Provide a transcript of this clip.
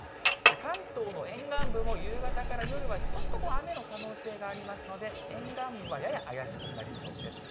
関東の沿岸部も、夕方から夜はちょっと雨の可能性がありますので、沿岸部はやや怪しくなりそうです。